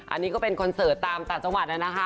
อันนี้ก็เป็นคอนเสิร์ตตามต่างจังหวัดนะคะ